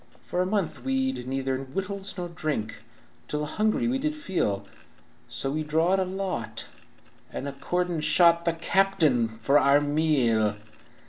"For a month we'd neither wittles nor drink, Till a hungry we did feel, So we drawed a lot, and accordin' shot The captain for our meal.